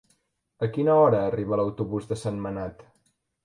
A quina hora arriba l'autobús de Sentmenat?